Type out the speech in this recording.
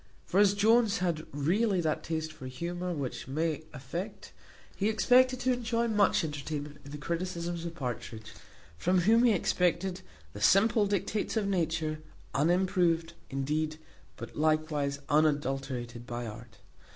For as Jones had really that taste for humour which many affect, he expected to enjoy much entertainment in the criticisms of Partridge, from whom he expected the simple dictates of nature, unimproved, indeed, but likewise unadulterated, by art.